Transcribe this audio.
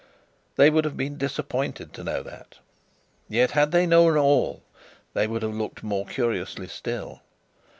They would have been disappointed to know that. Yet had they known all they would have looked more curiously still.